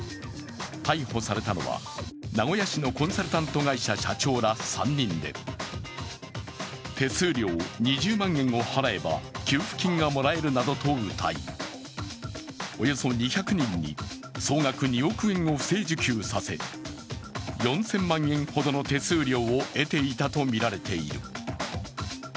逮捕されたのは、名古屋市のコンサルタント会社の社長ら３人で手数料２０万円を払えば給付金がもらえるなどとうたいおよそ２００人に総額２億円を不正受給させ４０００万円ほどの手数料を得ていたとみられている。